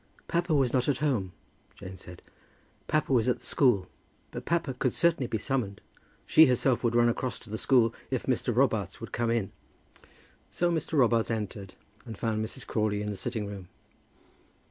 "Papa was not at home," Jane said. "Papa was at the school. But papa could certainly be summoned. She herself would run across to the school if Mr. Robarts would come in." So Mr. Robarts entered, and found Mrs. Crawley in the sitting room.